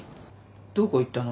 どこ行ったの？